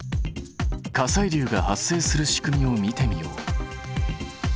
火砕流が発生する仕組みを見てみよう。